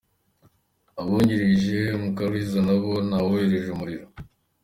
Abungirije Mukaruliza nabo nta woroheje urimo.